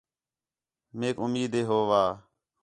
میک اُمید ہے ہو وا